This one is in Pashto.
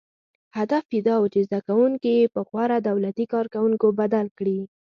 • هدف یې دا و، چې زدهکوونکي یې په غوره دولتي کارکوونکو بدل کړي.